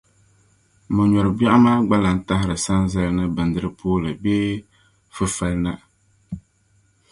Mɔ'nyoori biɛɣu maa gba lan tahiri sanzali ni bindiri' pooli bee finafali na.